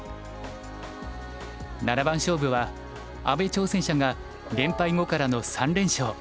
七番勝負は阿部挑戦者が連敗後からの３連勝。